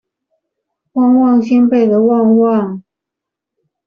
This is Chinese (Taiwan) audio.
旺旺仙貝的旺旺